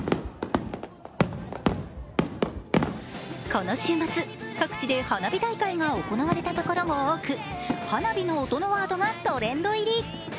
この週末、各地で花火大会が行われたところも多く、花火の音のワードがトレンド入り。